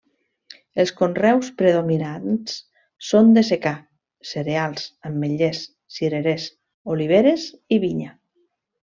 Els conreus predominants són de secà: cereals, ametllers, cirerers, oliveres i vinya.